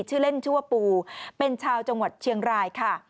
ชื่อเล่นชื่อว่าปูเป็นชาวจังหวัดเชียงรายค่ะ